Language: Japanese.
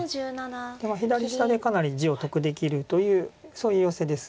左下でかなり地を得できるというそういうヨセです。